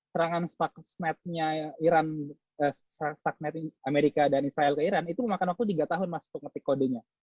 serangan stuxnet amerika dan israel ke iran itu memakan waktu tiga tahun masuk untuk meng pick codenya